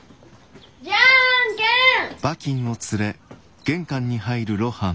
じゃあんけんッ！